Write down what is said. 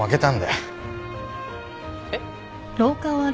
えっ？